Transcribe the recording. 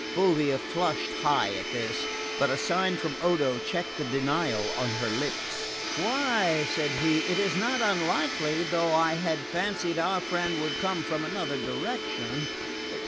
Fulvia flushed high at this, but a sign from Odo checked the denial on her lips. "Why," said he, "it is not unlikely, though I had fancied our friend would come from another direction.